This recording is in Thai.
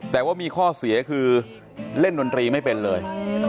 แต่ว่ามีข้อเสียคือเล่นดนตรีไม่เป็นเลย